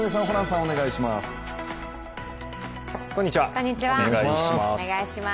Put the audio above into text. お願いします。